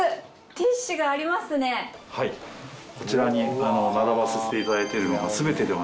はいこちらに並ばさせていただいているのが。